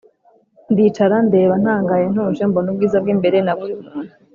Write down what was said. ndicara ndeba ntangaye ntuje, mbona ubwiza bw'imbere na buri muntu,